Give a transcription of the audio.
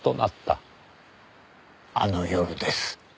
あの夜です